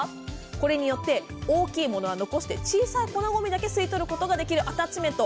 これによって大きいものは残して小さい粉ごみだけ吸い取ることができるアタッチメント。